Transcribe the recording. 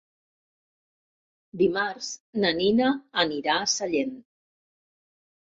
Dimarts na Nina anirà a Sallent.